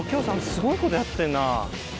すごいことやってんな。